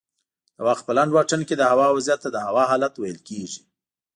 د وخت په لنډ واټن کې دهوا وضعیت ته د هوا حالت ویل کېږي